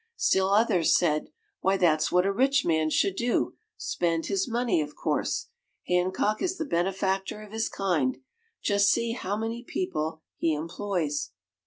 Still others said, "Why, that's what a rich man should do spend his money, of course; Hancock is the benefactor of his kind; just see how many people he employs!"